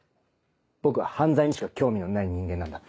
僕は犯罪にしか興味のない人間なんだ。